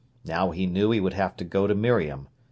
Now he knew he would have to go to Miriam.